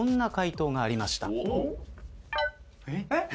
えっ！？